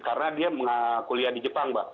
karena dia kuliah di jepang mbak